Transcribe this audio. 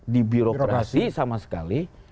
di birokrasi sama sekali